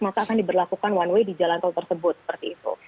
maka akan diberlakukan one way di jalan tol tersebut seperti itu